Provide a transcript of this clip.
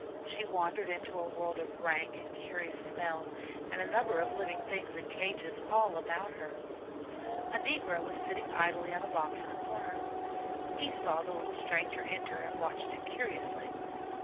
She wandered into a world of rank and curious smells and a number of living things in cages all about her. A negro was sitting idly on a box in a corner. He saw the little stranger enter and watched it curiously.